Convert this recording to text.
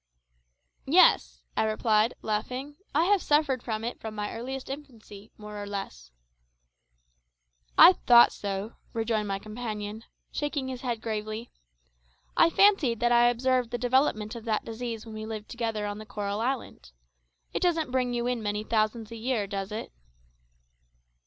"Yes," I replied, laughing; "I have suffered from it from my earliest infancy, more or less." "I thought so," rejoined my companion, shaking his head gravely. "I fancied that I observed the development of that disease when we lived together on the coral island. It don't bring you in many thousands a year, does it?"